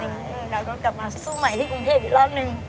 แล้วก็กลับมาสู้ใหม่ที่กรุงเทพอีกรอบนึง